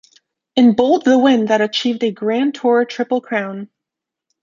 In bold the win that achieved a grand tour triple crown.